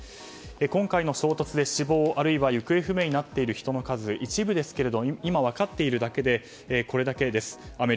今回の衝突で死亡、あるいは行方不明になっている人の数は一部ですが今分かっているだけでこれだけです。